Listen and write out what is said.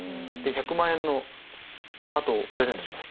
１００万円のアートをプレゼントしますと。